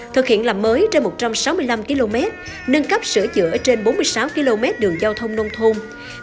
thực hiện làm mới trên một trăm sáu mươi năm km nâng cấp sửa chữa trên bốn mươi sáu km đường giao thông nông thôn